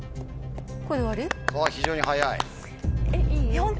非常に早い。